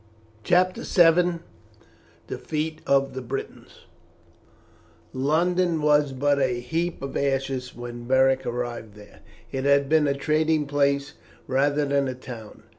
CHAPTER VII: DEFEAT OF THE BRITONS London was but a heap of ashes when Beric arrived there. It had been a trading place rather than a town.